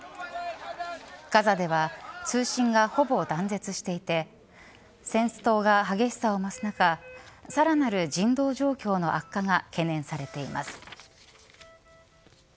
ガザでは通信がほぼ断絶していて戦闘が激しさを増す中さらなる人道状況の悪化が懸念されています。